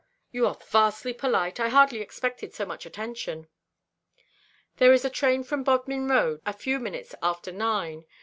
"You are vastly polite. I hardly expected so much attention." "There is a train from Bodmin Road a few minutes after nine.